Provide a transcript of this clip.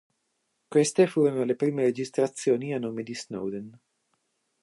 Queste furono le prime registrazioni a nome di Snowden.